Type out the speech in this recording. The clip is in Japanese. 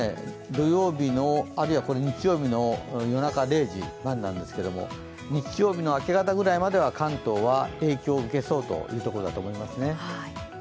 土曜日のあるいは日曜日の夜中０時なんですけど日曜日の明け方ぐらいまでは関東は影響を受けそうです。